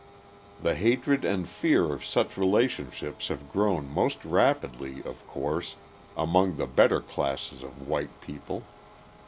The hatred and fear of such relationships have grown most rapidly, of course, among the better classes of white people.